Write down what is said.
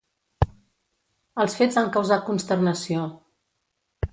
Els fets han causat consternació.